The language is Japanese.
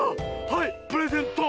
はいプレゼント！